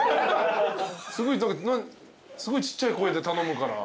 すごいちっちゃい声で頼むから。